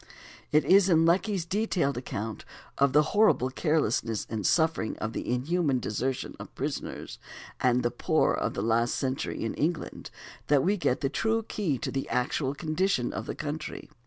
It is in Lecky's detailed account of the horrible carelessness and suffering, and of the inhuman desertion of prisoners and the poor of the last century in England that we get the true key to the actual condition of the country.